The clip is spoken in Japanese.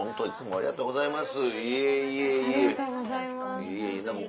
ありがとうございます。